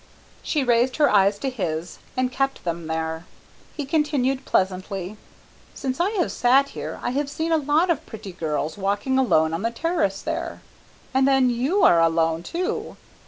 She raised her eyes to his and kept them there. He continued pleasantly "Since I have sat here I have seen a lot of pretty girls walking alone on the terrace there, and then you are alone too.